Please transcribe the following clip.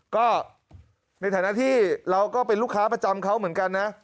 ก็ในฐานะที่เราก็เป็นลูกค้าประจำเขาเหมือนกันนะ